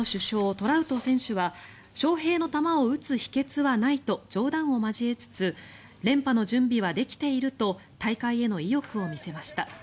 トラウト選手は翔平の球を打つ秘けつはないと冗談を交えつつ連覇の準備はできていると大会への意欲を見せました。